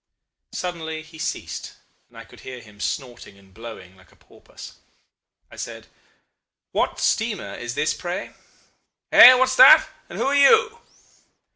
"Suddenly he ceased, and I could hear him snorting and blowing like a porpoise. I said "'What steamer is this, pray?' "'Eh? What's this? And who are you?